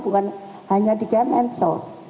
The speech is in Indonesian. bukan hanya di kemensos